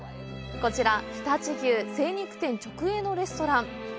こちら、常陸牛精肉店直営のレストラン。